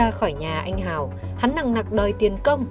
hải đã ra khỏi nhà anh hào hắn nặng nặng đòi tiền công